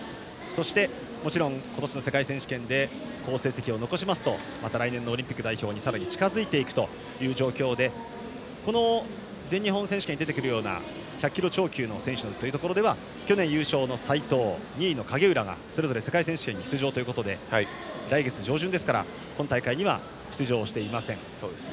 そして、もちろん今年の世界選手権で好成績を残しますと来年のオリンピック代表にさらに近づいていくという状況でこの全日本選手権に出てくるような１００キロ超級の選手というところでは去年優勝の斉藤、２位の影浦がそれぞれ世界選手権に出場ということで来月上旬なので今大会には出場していません。